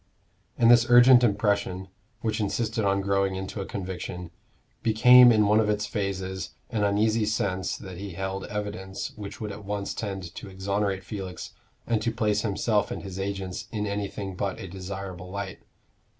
And this urgent impression, which insisted on growing into a conviction, became in one of its phases an uneasy sense that he held evidence which would at once tend to exonerate Felix and to place himself and his agents in anything but a desirable light.